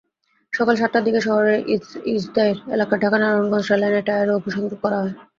সকাল সাতটার দিকে শহরের ইসদাইর এলাকায় ঢাকা-নারায়ণগঞ্জ রেললাইনে টায়ারে অগ্নিসংযোগ করা হয়।